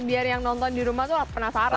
biar yang nonton di rumah tuh penasaran